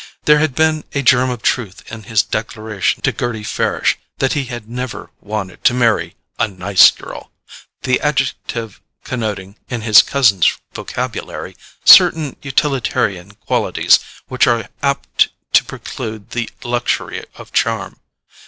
There had been a germ of truth in his declaration to Gerty Farish that he had never wanted to marry a "nice" girl: the adjective connoting, in his cousin's vocabulary, certain utilitarian qualities which are apt to preclude the luxury of charm.